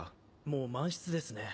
もう満室ですね。